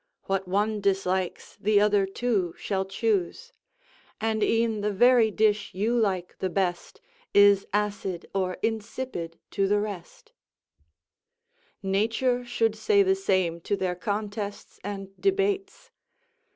What one dislikes the other two shall choose; And e'en the very dish you like the best Is acid or insipid to the rest:" nature should say the same to their contests and debates.